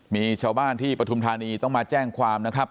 มีชาวบ้านที่ปฐุมธานีต้องมาแจ้งความนะครับ